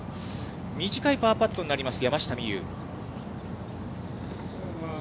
短いパーパットになります、山下美夢有。